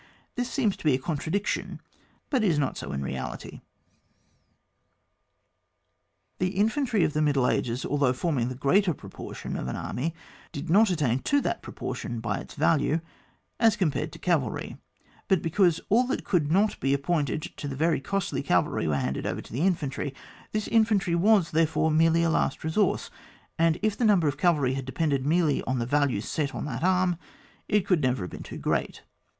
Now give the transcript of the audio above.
This seems to be a contra diction, but is not so in reality. The infantry of the middle ages, although forming the greater proportion of an army, did not attain to that proportion by its value as compared to cavalry, but because all that could not be appointed to the very costly cavalry were handed over to the infantry ; this infantry was, therefore, merely a l9«t resource ; and if the number of cavalry had depended merely on the value set on that arm, it could never have been too great.